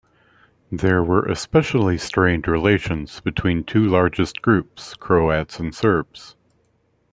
There were especially strained relations between two largest groups, Croats and Serbs.